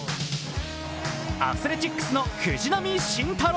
アスレチックスの藤浪晋太郎。